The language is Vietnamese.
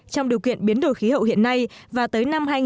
trong điều kiện biến đổi khí hậu hiện nay và tới năm hai nghìn một trăm linh